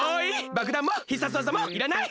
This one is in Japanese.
ばくだんも必殺技もいらない。